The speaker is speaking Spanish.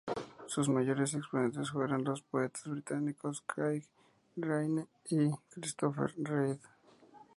Sus mayores exponentes fueron los poetas británicos Craig Raine y Christopher Reid.